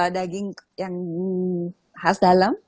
daging yang khas dalam